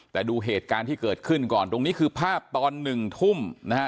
แต่ดูเหตุการณ์ที่เกิดขึ้นก่อนตรงนี้คือภาพตอนหนึ่งทุ่มนะฮะ